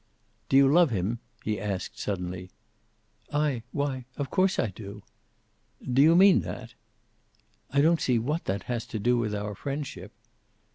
"Do you love him?" he asked, suddenly. "I why, of course I do." "Do you mean that?" "I don't see what that has to do with our friendship."